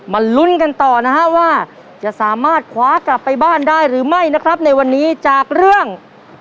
ลุ้นกันต่อนะฮะว่าจะสามารถคว้ากลับไปบ้านได้หรือไม่นะครับในวันนี้จากเรื่อง